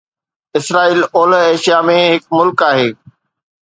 اسرائيل اولهه ايشيا ۾ هڪ ملڪ آهي